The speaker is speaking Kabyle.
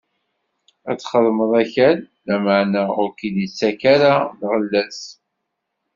Ad txeddmeḍ akal, lameɛna ur k-d-ittak ara lɣella-s.